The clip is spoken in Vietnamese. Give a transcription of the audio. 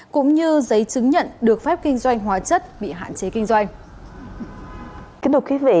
cũng như giấy chứng nhận được phép kinh doanh hóa chất bị hạn chế kinh doanh